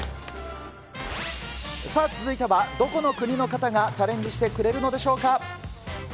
さあ続いては、どこの国の方がチャレンジしてくれるのでしょうか。